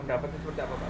pendapatnya seperti apa pak